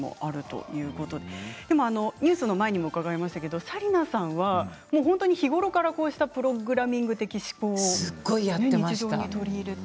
ニュースの前にも伺いましたけれど紗理奈さんは日頃からこうしたプログラミング的思考をしているんですね。